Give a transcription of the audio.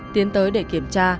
tiến tới để kiểm tra